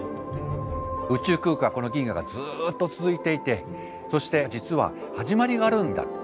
宇宙空間はこの銀河がずっと続いていてそして実は始まりがあるんだ。